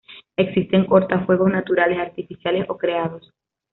Existen cortafuegos naturales, artificiales o creados.